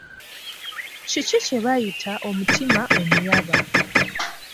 Kiki kye bayita omutima omuyaba?